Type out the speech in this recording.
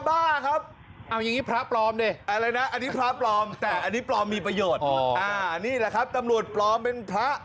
ไอ้พระปลอมแต่ปลอมมีประโยชน์